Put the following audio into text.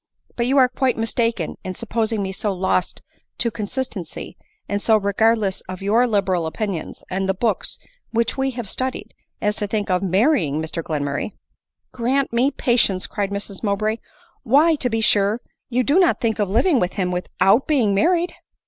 But you are quite mistaken in supposing me so lost to consistency, and so regardless of your liberal opinions and the books which we have studied, as to think of marrying Mr Glenmurray." " Grant me patience !" cried Mrs Mowbray ;" why, to bfe sure, you do not think of living with him without being married